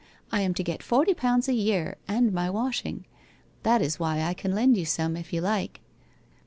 I am to get forty pounds a year, and my washing. That is why I can lend you some, if you like?